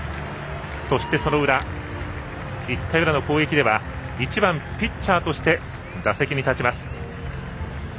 そして、１回裏の攻撃では１番ピッチャーとして打席に立ちます。